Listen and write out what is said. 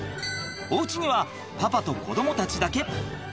おうちにはパパと子どもたちだけ。